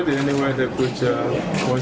anda bisa terangkan untuk persiapannya